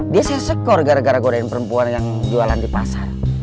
dia sih syukur gara gara godain perempuan yang jualan di pasar